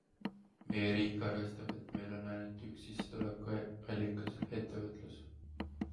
Meie riik arvestab, et meil on ainult üks sissetulekuallikas - ettevõtlus.